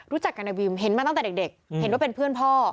รู้จักกับนายวิมเห็นมาตั้งแต่เด็กเห็นว่าเป็นเพื่อนพ่อ